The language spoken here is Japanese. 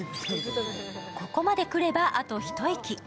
ここまでくれば、あと一息。